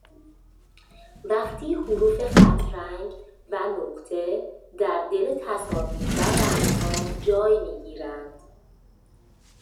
وقتی حروف خط رنگ و نقطه در دل تصاویر و رنگها جای می گیرند